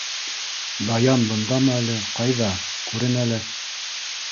— Даян бындамы әле ул? Ҡайҙа, күрен әле.